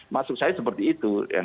masuk saya seperti itu